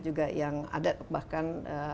juga yang ada bahkan